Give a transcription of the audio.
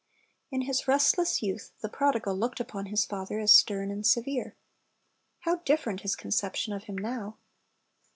In his restless youth the prodigal looked upon his father as stern and severe. How different his conception of him now!